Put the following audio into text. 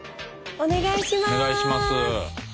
お願いします。